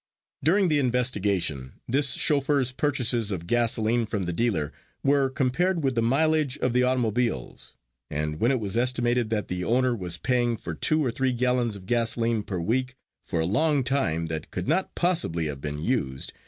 During the investigation this chauffeur's purchases of gasoline from the dealer were compared with the mileage of the automobiles, and when it was estimated that the owner was paying for two or three gallons of gasoline per week for a long time that could not possibly have been used.